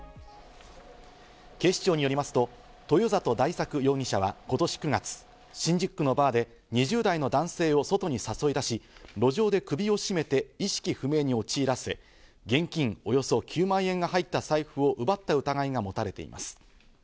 警視庁によりますと豊里大作容疑者は今年９月、新宿区のバーで２０代の男性を外に誘い出し、路上で首を絞めて意識不明に陥らせ、現金およそ９万円が入った財布を奪った疑いが持たれています。